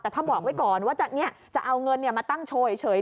แต่ถ้าบอกไว้ก่อนว่าจะเอาเงินมาตั้งโชว์เฉย